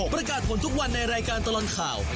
ประกาศผลทุกวันในรายการตลอดข่าว